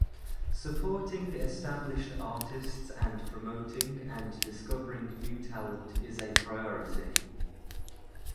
Supporting established artists and promoting and discovering new talent is a priority.